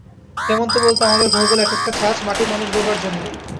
হেমন্ত বলত, আমাদের ঘরগুলো এক-একটা ছাঁচ, মাটির মানুষ গড়বার জন্যেই।